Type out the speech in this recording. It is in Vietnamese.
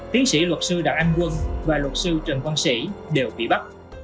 tiến sĩ luật sư đạo anh quân và luật sư trần quang sĩ đều bị bắt